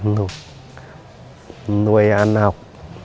nuôi ăn học